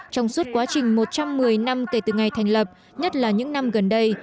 trong suốt quá trình một trăm một mươi năm kể từ ngày thành lập nhất là những năm gần đây